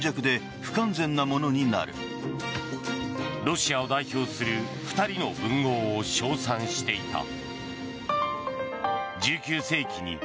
ロシアを代表する２人の文豪を称賛していた。